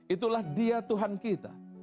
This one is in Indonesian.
itulah dia tuhan kita